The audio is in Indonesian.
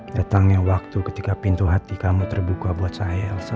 datangnya waktu ketika pintu hati kamu terbuka buat saya